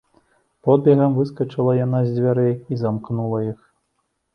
Подбегам выскачыла яна з дзвярэй і замкнула іх.